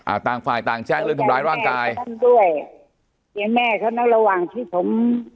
ต่างฝ่ายต่างแจ้งเรื่องทำร้ายร่างกายท่านด้วยเสียงแม่เขานะระหว่างที่ผม